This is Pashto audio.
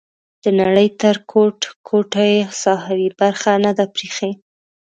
د نړۍ تر ګوټ ګوټه یې ساحوي برخه نه ده پریښې.